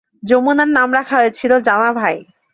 যমুনার নাম রাখা হয়েছিল জানা বাই।